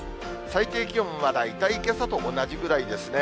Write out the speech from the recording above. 最低気温は大体けさと同じぐらいですね。